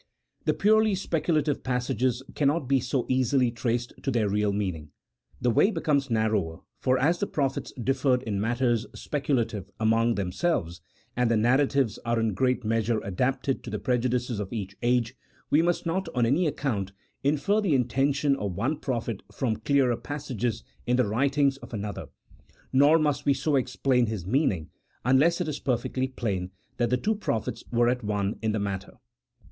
The purely speculative passages cannot be so easily traced to their real meaning : the way becomes narrower r for as the prophets differed in matters speculative among themselves, and the narratives are in great measure adapted to the prejudices of each age, we must not, on any account, infer the intention of one prophet from clearer passages in the writings of another ; nor must we so explain his mean ing, unless it is perfectly plain that the two prophets were at one in the matter.